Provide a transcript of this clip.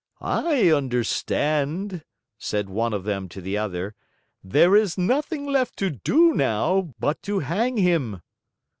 "I understand," said one of them to the other, "there is nothing left to do now but to hang him."